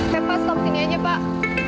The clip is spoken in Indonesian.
tepat stop sini aja pak